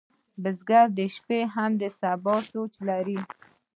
بزګر د شپې هم د سبا سوچ لري